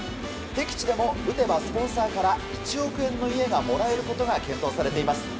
敵地でも打てばスポンサーから１億円の家がもらえることが検討されています。